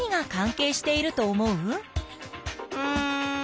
うん。